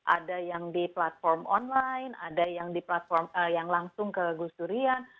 ada yang di platform online ada yang di platform yang langsung ke gus durian